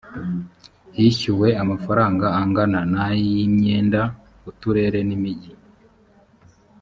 hishyuwe frw angana na y imyenda uturere n imijyi